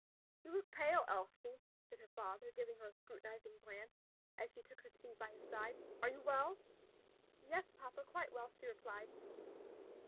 "You look pale, Elsie," said her father, giving her a scrutinizing glance as she took her seat by his side. "Are you well?" "Yes, papa, quite well," she replied.